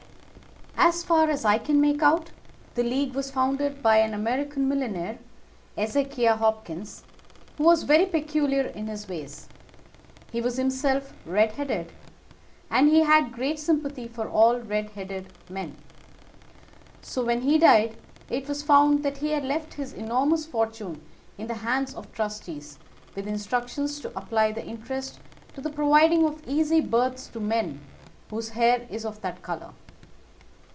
As far as I can make out, the League was founded by an American millionaire, Ezekiah Hopkins, who was very peculiar in his ways. He was himself red headed, and he had a great sympathy for all red headed men; so, when he died, it was found that he had left his enormous fortune in the hands of trustees, with instructions to apply the interest to the providing of easy berths to men whose hair is of that colour.